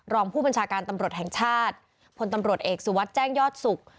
รองผู้บัญชาการตำรวจแห่งชาติพลตำรวจเอกสุวัสดิ์แจ้งยอดสุข